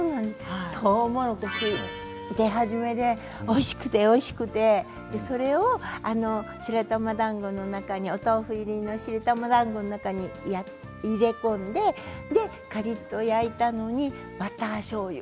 とうもろこし出始めておいしくて、おいしくて白玉だんごの中にお豆腐を白玉だんごの中に入れ込んでカリッと焼いたのにバターしょうゆ。